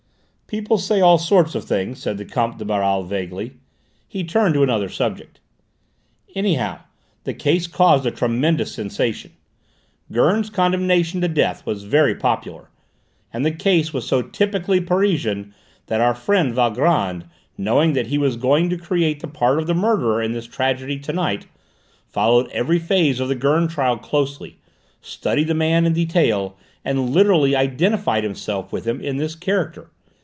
"People say all sorts of things," said the Comte de Baral vaguely. He turned to another subject. "Anyhow, the case caused a tremendous sensation; Gurn's condemnation to death was very popular, and the case was so typically Parisian that our friend Valgrand, knowing that he was going to create the part of the murderer in this tragedy to night, followed every phase of the Gurn trial closely, studied the man in detail, and literally identified himself with him in this character.